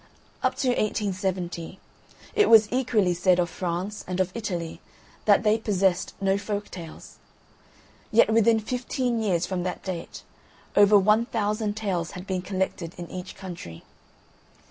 Up to 1870 it was equally said of France and of Italy, that they possessed no folk tales. Yet, within fifteen years from that date, over 1000 tales had been collected in each country.